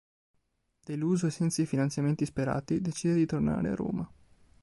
Deluso e senza i finanziamenti sperati, decide di tornare a Roma.